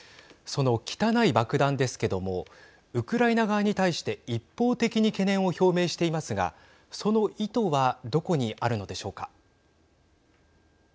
その汚い爆弾ですけどもウクライナ側に対して一方的に懸念を表明していますがその意図はどこにあるのでしょうか。